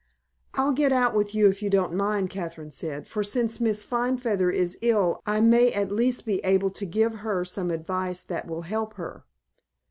"I'll get out with you, if you don't mind," Kathryn said, "for, since Miss Finefeather is ill, I may at least be able to give her some advice that will help her."